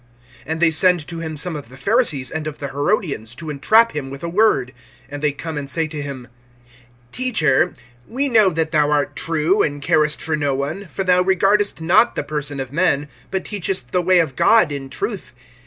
(13)And they send to him some of the Pharisees and of the Herodians, to entrap him with a word. (14)And they come and say to him: Teacher, we know that thou art true, and carest for no one; for thou regardest not the person of men, but teachest the way of God in truth.